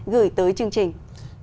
gửi tới chương trình